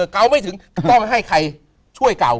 เก่าไม่ถึงต้องให้ใครช่วยเก่า